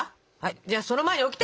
じゃあその前にオキテ！